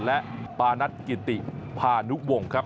และปานัทกิติพานุวงศ์ครับ